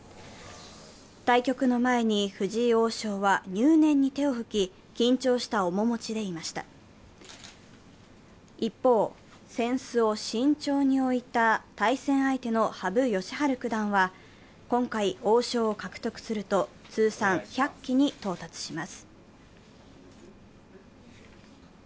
対局の前に藤井王将は入念に手を拭き、緊張の面持ちで、一方、せんすを慎重に置いた対戦相手の羽生善治九段は今回、王将を獲得すると通算１００期に到達します。